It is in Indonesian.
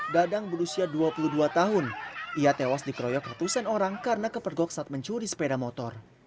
dadang berusia dua puluh dua tahun ia tewas dikeroyok ratusan orang karena kepergok saat mencuri sepeda motor